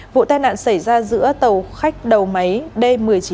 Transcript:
vụ tai nạn xảy ra giữa tàu khách đầu máy d một mươi chín e chín trăm linh tám